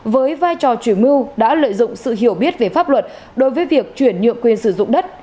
với vai trò chủ mưu đã lợi dụng sự hiểu biết về pháp luật đối với việc chuyển nhượng quyền sử dụng đất